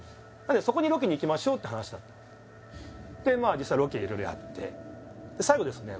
そこにロケに行きましょうって話だったでまあ実際ロケ色々やって最後ですね